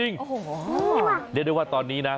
เรียกได้ว่าตอนนี้นะ